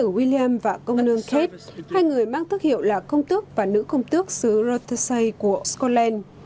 từ william và công nương kate hai người mang thức hiệu là công tước và nữ công tước xứ rothesay của scotland